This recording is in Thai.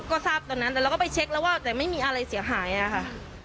ก็ทราบตอนนั้นแต่เราก็ไปเช็คแล้วว่าแต่ไม่มีอะไรเสียหายอะค่ะ